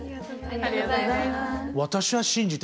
ありがとうございます。